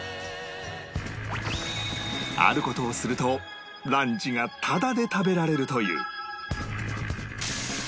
ある事をするとランチがタダで食べられるという